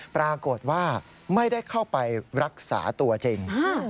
ปรากฏว่าไม่ได้เข้าไปรักษาตัวจริง